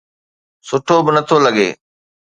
سٺو به نٿو لڳي.